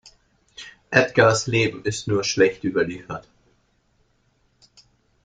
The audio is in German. Edgars Leben ist nur schlecht überliefert.